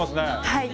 はい。